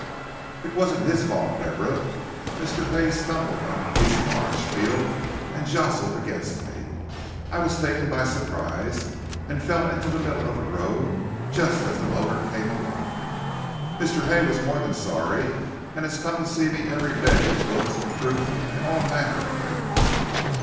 "It wasn't his fault, Deborah. Mr. Hay stumbled on a piece of orange peel and jostled against me. I was taken by surprise, and fell into the middle of the road just as the motor came along. Mr. Hay was more than sorry and has come to see me every day with books and fruit and all manner of things."